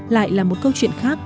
lại là một câu chuyện khác